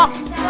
pak pak pak